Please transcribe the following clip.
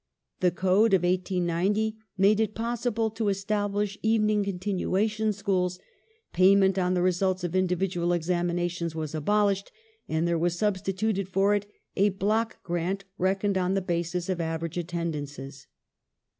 The Code of 1890 made it possible to establish evening continuation schools ; payment on the results of individual ex aminations was abolished, and there was substituted for it a " block " grant reckoned on the basis of average attendances.